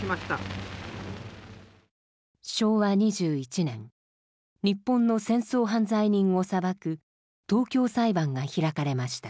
昭和２１年日本の戦争犯罪人を裁く東京裁判が開かれました。